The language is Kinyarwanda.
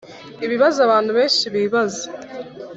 ibibazo abantu benshi bibaza.